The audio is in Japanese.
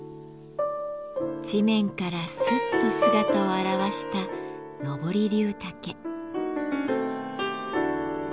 地面からすっと姿を現したノボリリュウタケ。